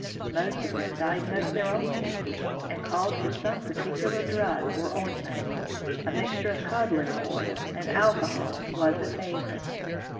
Most of them diagnosed their own cases and called for some particular drug or ointment; a mixture of cod liver oil and alcohol was a favorite.